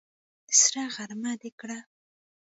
سره غرمه دې کړه!